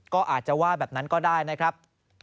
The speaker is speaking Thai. ก็อาจจะว่าแบบนั้นก็ได้นะครับ